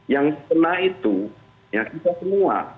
yang kena itu ya kita semua